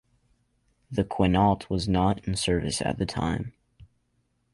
The "Quinault" was not in service at the time.